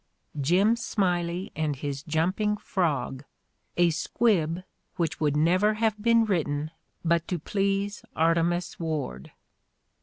— "Jim Smiley and His Jumping Prog" — a squib which would never have been written but to please Artemus Ward.'